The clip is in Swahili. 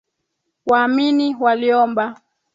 Waamini waliomba